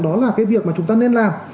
đó là cái việc mà chúng ta nên làm